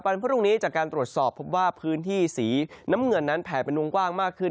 พรุ่งนี้จากการตรวจสอบพบว่าพื้นที่สีน้ำเงินนั้นแผลเป็นวงกว้างมากขึ้น